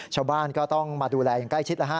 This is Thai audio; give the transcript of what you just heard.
ชาวบ้านก็ต้องมาดูแลอย่างใกล้ชิดแล้วฮะ